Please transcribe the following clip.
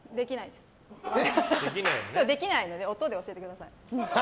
できないので音で教えてください。